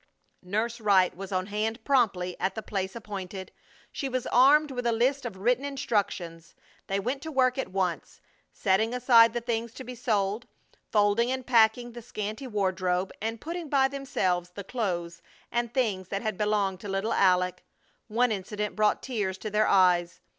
Nurse Wright was on hand promptly at the place appointed. She was armed with a list of written instructions. They went to work at once, setting aside the things to be sold; folding and packing the scanty wardrobe, and putting by themselves the clothes and things that had belonged to little Aleck. One incident brought tears to their eyes.